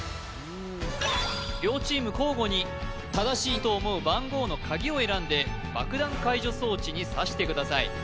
両チーム交互に正しいと思う番号の鍵を選んで爆弾解除装置にさしてください